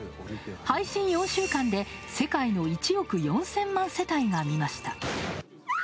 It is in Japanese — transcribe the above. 配信４週間で世界の１億４０００万世帯が見ました。